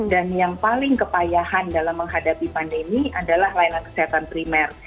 dan yang paling kepayahan dalam menghadapi pandemi adalah layanan kesehatan primer